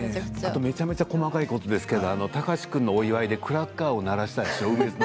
めちゃくちゃ細かいことなんですけど貴司君のお祝いでクラッカーを鳴らしたでしょう？